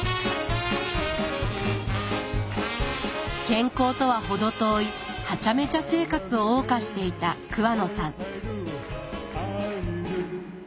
健康とは程遠いハチャメチャ生活をおう歌していた桑野さん。